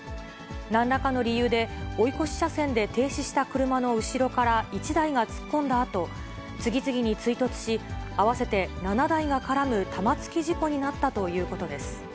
なんらかの理由で、追い越し車線で停止した車の後ろから１台が突っ込んだあと、つぎつぎについとつし合わせて７台が絡む玉突き事故になったということです。